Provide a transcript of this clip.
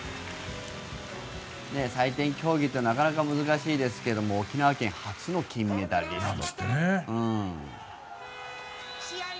採点競技ってなかなか難しいですけども沖縄県初の金メダリストと。